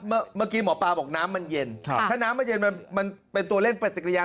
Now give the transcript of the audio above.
เมื่อกี้หมอปลาบอกน้ำมันเย็นถ้าน้ำมันเย็นมันเป็นตัวเล่นปฏิกิริยา